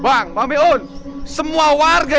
bang bang meun semua warga